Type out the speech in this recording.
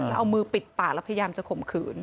แล้วเอามือปิดปากแล้วพยายามจะข่มขืน